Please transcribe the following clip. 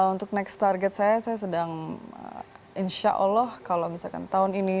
untuk next target saya saya sedang insya allah kalau misalkan tahun ini